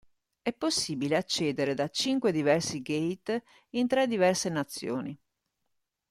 È possibile accedere da cinque diversi gate in tre diverse nazioni.